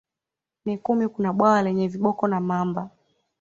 Mikumi kuna bwawa lenye viboko na mamba